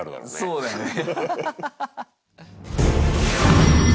そうだよね。